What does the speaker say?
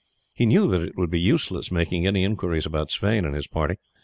He knew that it would be useless making any inquiries about Sweyn and his party.